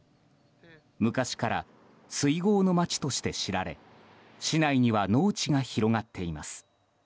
昔から水郷の町として知られ市内には農地が広がっています。